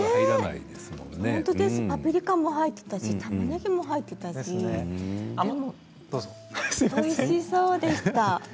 パプリカも入っていたしたまねぎも入っていたしおいしそうでした。